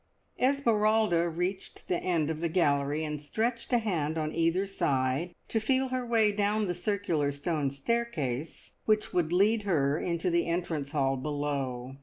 Esmeralda reached the end of the gallery, and stretched a hand on either side, to feel her way down the circular stone staircase which would lead her into the entrance hall below.